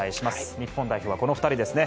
日本代表は、この２人ですね。